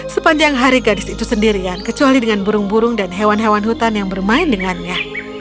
sepanjang hari gadis itu sendirian kecuali dengan burung burung dan hewan hewan hutan yang bermain dengannya